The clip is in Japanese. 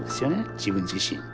自分自身に。